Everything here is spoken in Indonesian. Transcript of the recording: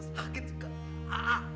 papa papa kenapa pak